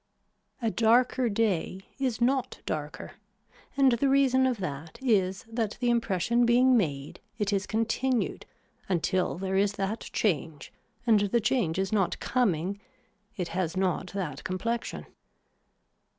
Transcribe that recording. A darker day is not darker and the reason of that is that the impression being made it is continued until there is that change and the change is not coming, it has not that complexion.